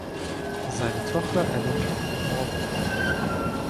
Seine Tochter Ellen wohnt in Morgantown.